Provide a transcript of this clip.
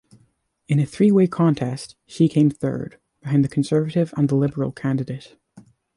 In a three-way contest she came third, behind the Conservative and the Liberal candidate.